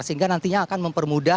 sehingga nantinya akan mempermudah